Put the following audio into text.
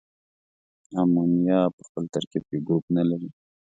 امونیا په خپل ترکیب کې ګروپ نلري.